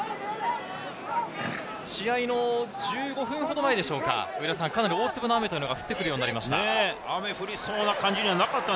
試合の１５分ほど前でしょうか、大粒の雨が降ってくるようになりました。